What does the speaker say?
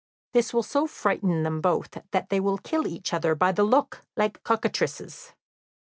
This will so frighten them both that they will kill each other by the look, like cockatrices."